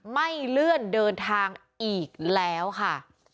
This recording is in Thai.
ไม่เลื่อนเดินทางอีกแล้วค่ะ